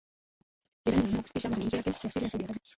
Iran yaamua kusitisha mazungumzo yake ya siri na Saudi Arabia.